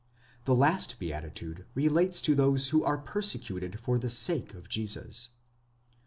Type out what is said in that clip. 2 The last beatitude relates to those who are persecuted for the sake of Jesus.